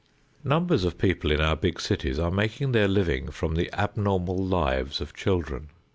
Numbers of people in our big cities are making their living from the abnormal lives of children.